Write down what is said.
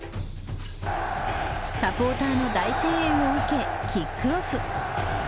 サポーターの大声援を受けキックオフ。